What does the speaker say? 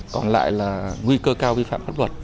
còn lại là nguy cơ cao vi phạm pháp luật